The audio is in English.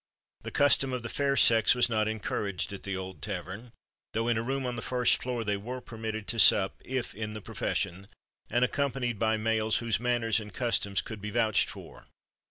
The custom of the fair sex was not encouraged at the old tavern; though in a room on the first floor they were permitted to sup, if in "the profession" and accompanied by males, whose manners and customs could be vouched for.